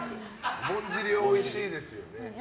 おぼんじりおいしいですよね。